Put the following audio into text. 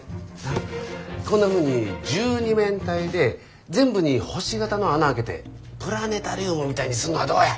こんなふうに十二面体で全部に星形の孔開けてプラネタリウムみたいにすんのはどうや。